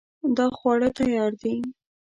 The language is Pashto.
دا خواړه تیار دي